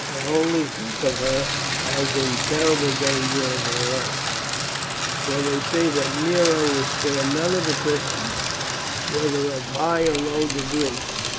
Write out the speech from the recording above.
I only think of her as in terrible danger of her life, for they say that Nero will spare none of the Christians, whether of high or low degree.